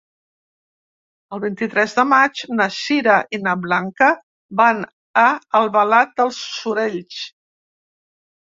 El vint-i-tres de maig na Sira i na Blanca van a Albalat dels Sorells.